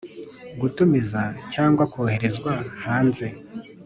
gutumiza cyangwa koherezwa hanze